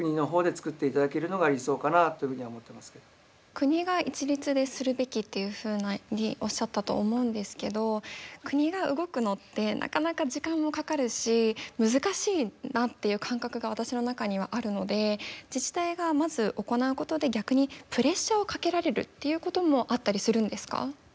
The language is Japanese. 国が一律でするべきっていうふうにおっしゃったと思うんですけど国が動くのってなかなか時間もかかるし難しいなっていう感覚が私の中にはあるので自治体がまず行うことで逆にプレッシャーをかけられるっていうこともあったりするんですか。